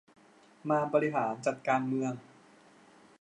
มาบริหารจัดการเมือง